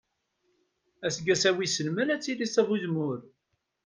Aseggas-a, wissen ma ad tili ṣṣaba n uzemmur?